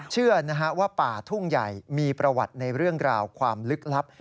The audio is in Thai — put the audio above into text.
เชื่อว่าป่าทุ่งใหญ่มีประวัติในเรื่องราวความลึกลับ